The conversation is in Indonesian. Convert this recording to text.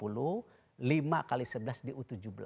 lima x sebelas di u tujuh belas